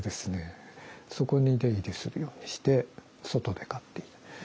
そこに出入りするようにして外で飼っていた。